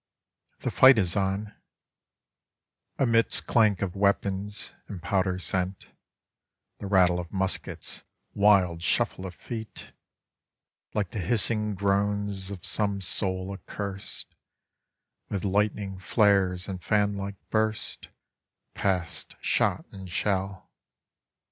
The fight is on Amidst clank of weapons, and powder scent, The rattle of muskets, wild shuffle of feet, Like the Ms sing groan3 of some soul accursed, Vith lightning flares and fanlike hursts, Paso shot and shell.